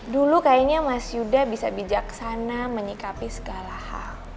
dulu kayaknya mas yuda bisa bijaksana menyikapi segala hal